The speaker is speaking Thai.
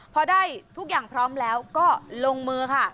พอได้ทุกอย่างพร้อมแล้วก็ลงมือค่ะ